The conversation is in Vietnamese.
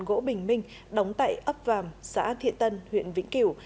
gỗ bình minh đóng tại ấp vàm xã thiện tân huyện vĩnh kiểu